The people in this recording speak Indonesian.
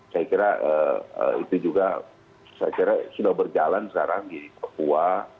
saya kira itu juga saya kira sudah berjalan sekarang di papua